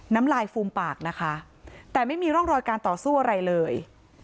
น้ำลายฟูมปากนะคะแต่ไม่มีร่องรอยการต่อสู้อะไรเลย